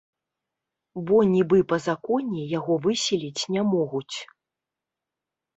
Бо нібы па законе яго выселіць не могуць.